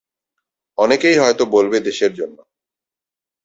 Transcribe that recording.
অনেকেই হয়ত বলবে, দেশের জন্য।